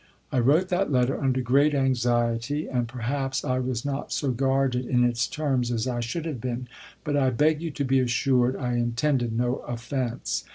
I wrote that letter under great anxiety, and perhaps I was not so guarded in its terms as I should have been; but I beg you to be assured I in tended no offense.